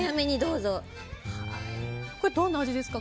どんな味ですか？